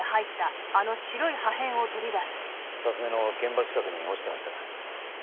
２つ目の現場近くに落ちてました。